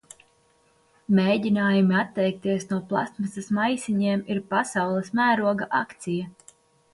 Mēģinājumi atteikties no plastmasas maisiņiem ir pasaules mēroga akcija.